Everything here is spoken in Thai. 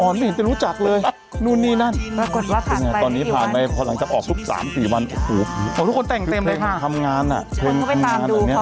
สุดยอดแต่งตัวภายใน๕นาที